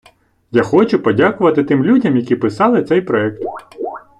Я хочу подякувати тим людям, які писали цей проект.